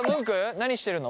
何してるの？